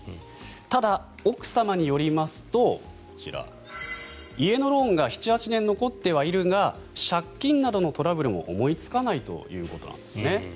ただ、奥様によりますと家のローンが７８年残ってはいるが借金などのトラブルも思いつかないということなんですね。